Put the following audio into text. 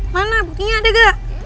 mana buktinya ada gak